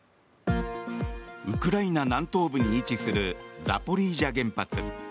ウクライナ南東部に位置するザポリージャ原発。